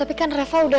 ma tapi kan reva udah